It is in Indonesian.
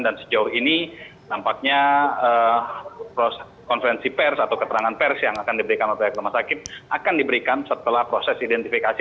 dan sejauh ini nampaknya konferensi pers atau keterangan pers yang akan diberikan oleh rumah sakit akan diberikan setelah proses identifikasi